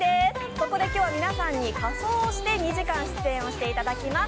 そこで今日は皆さんに仮装して２時間出演していただきます。